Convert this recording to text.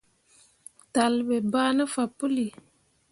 Talle ɓe bah ne fah puli.